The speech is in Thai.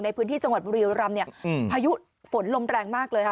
ในพื้นที่จังหวัดบุรียูลำภายุฝนลมแรงมากเลย